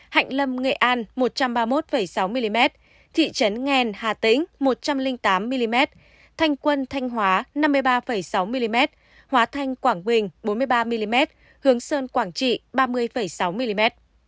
hạnh lâm nghệ an một trăm ba mươi một sáu mm thị trấn nghèn hà tĩnh một trăm linh tám mm thanh quân thanh hóa năm mươi ba sáu mm hóa thanh quảng bình bốn mươi ba mm hướng sơn quảng trị ba mươi sáu mm